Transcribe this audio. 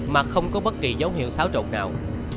mà không có bất kỳ dấu hiệu xáo trộn nào